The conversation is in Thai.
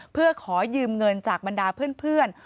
เพื่อขอยืมเงินจากบรรดาเพื่อน